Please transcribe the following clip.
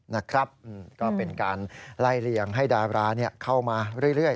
นะครับก็เป็นการไล่เลี่ยงให้ดาราเข้ามาเรื่อย